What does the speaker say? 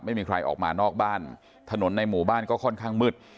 ไม่มีใครออกมานอกบ้านถนนในหมู่บ้านก็ค่อนข้างมืด